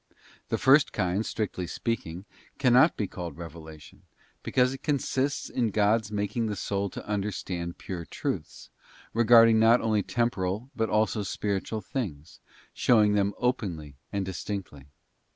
The first kind, strictly speaking, cannot be called revelation, because it consists in God's making the soul to understand pure truths, "SPIRITUAL REVELATIONS. 175 regarding not only temporal but also spiritual things, show ing them openly and distinctly.